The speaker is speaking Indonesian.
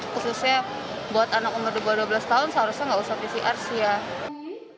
khususnya buat anak umur di bawah dua belas tahun seharusnya nggak usah pcr sih ya